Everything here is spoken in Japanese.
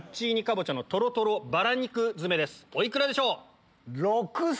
お幾らでしょう？